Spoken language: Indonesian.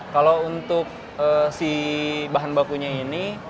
kalau untuk si bahan bakunya ini